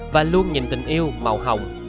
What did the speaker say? và luôn nhìn tình yêu màu hồng